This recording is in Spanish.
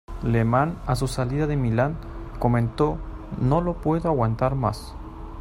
Lehmann, a su salida del Milan, comentó: “No lo puedo aguantar más.